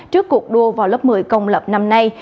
trước cuộc đua vào lớp một mươi công lập năm nay